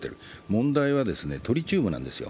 問題はトリチウムなんですよ。